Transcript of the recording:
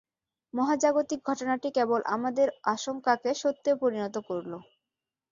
মহাজাগতিক ঘটনাটি কেবল আমাদের আশংকাকে সত্যে পরিণত করল।